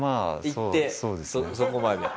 行ってそこまで。